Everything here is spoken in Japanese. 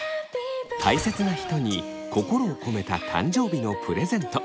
大切な人に心を込めた誕生日のプレゼント。